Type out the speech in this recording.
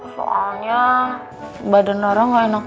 soalnya badan rara gak enak